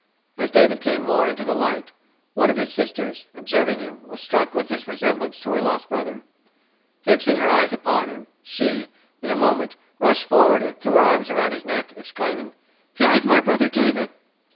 As David came more into the light, one of his sisters, observing him, was struck with his resemblance to her lost brother. Fixing her eyes upon him, she, in a moment, rushed forward and threw her arms around his neck, exclaiming, "Here is my brother David."